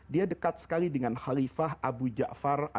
dia dekat sekali dengan khalifah abu ja'far al mu'ad